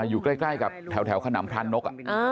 อะอยู่ใกล้กับแถวขนามพลานนกอะ